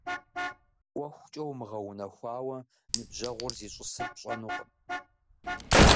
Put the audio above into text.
ӀуэхукӀэ умыгъэунэхуауэ ныбжьэгъур зищӀысыр пщӀэнукъым.